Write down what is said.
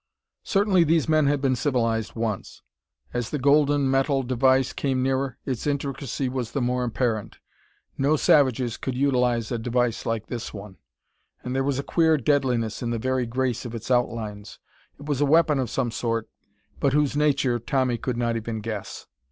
Certainly these men had been civilized once. As the golden metal device came nearer, its intricacy was the more apparent. No savages could utilize a device like this one. And there was a queer deadliness in the very grace of its outlines. It was a weapon of some sort, but whose nature Tommy could not even guess.